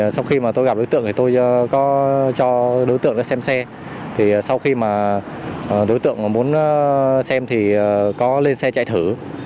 sau khi tôi gặp đối tượng tôi cho đối tượng xem xe sau khi đối tượng muốn xem có lên xe chạy thử